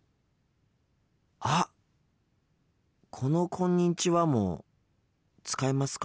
あっこの「こんにちは」も使いますか？